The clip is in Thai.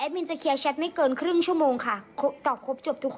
แม่น้ำหนึ่งโชคกับช่วงรับ